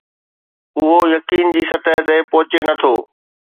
اهو يقين جي سطح تي پهچي نه ٿو